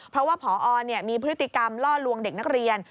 เพราะว่าพอมีพฤติกรรมล่อลวงเด็กนักเรียน